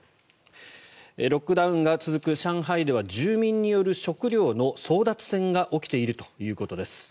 ロックダウンが続く上海では住民による食料の争奪戦が起きているということです。